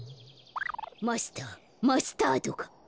マスターマスタードが。